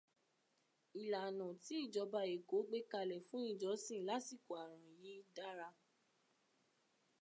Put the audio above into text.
Ìlànà tí ìjọba Èkó gbé kalẹ̀ fún ìjọsìn lásìkò ààrún yìí dára.